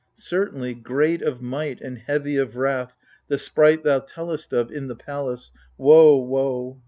Certainly, great of might And heavy of wrath, the Sprite Thou tellest of, in the palace (Woe, woe